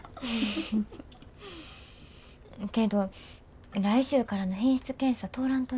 けど来週からの品質検査通らんとな。